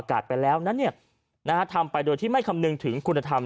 อากาศไปแล้วนะเนี่ยนะทำไปโดยที่ไม่คำนึงถึงคุณธรรม